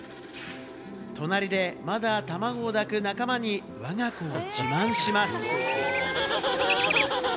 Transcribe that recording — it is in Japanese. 隣でまだ卵を抱く仲間に、わが子を自慢します。